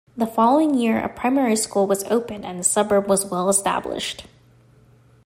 The following year a primary school was opened and the suburb was well established.